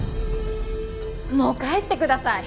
もう帰ってください！